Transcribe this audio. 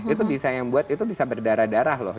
itu bisa yang buat itu bisa berdarah darah loh